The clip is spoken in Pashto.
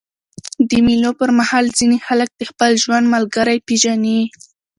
د مېلو پر مهال ځيني خلک د خپل ژوند ملګری پېژني.